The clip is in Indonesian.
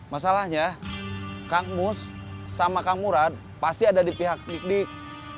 masalahnya kang mus sama kang murad pasti ada di pihak dik dik